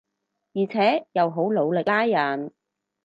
而且又好努力拉人